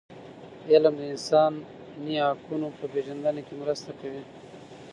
علم د انساني حقونو په پېژندنه کي مرسته کوي.